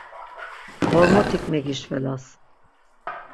Ğormotik megişvelas.